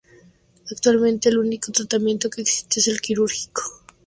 Actualmente el único tratamiento que existe es el quirúrgico.